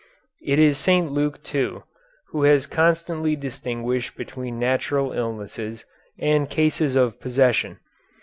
It is St. Luke, too, who has constantly distinguished between natural illnesses and cases of possession.